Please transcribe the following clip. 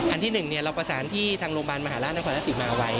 อันที่หนึ่งเราประสานที่ทางโรงพยาบาลมหาราชนักษรศิลป์มาไว้